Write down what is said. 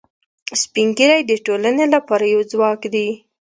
سپین ږیری د ټولنې لپاره یو ځواک دي